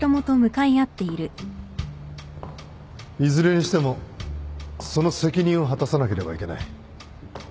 いずれにしてもその責任を果たさなければいけない